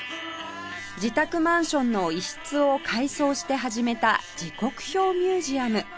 自宅マンションの一室を改装して始めた時刻表ミュージアム